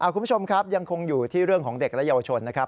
คุณผู้ชมครับยังคงอยู่ที่เรื่องของเด็กและเยาวชนนะครับ